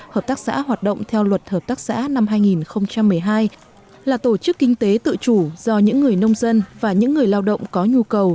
hợp tác xã hoạt động theo luật hợp tác xã năm hai nghìn một mươi hai là tổ chức kinh tế tự chủ do những người nông dân và những người lao động có nhu cầu